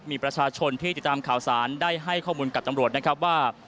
มีประชาชนที่ติดตามข่าวสารได้ให้ข้อมูลกับตำรวจนะครับว่า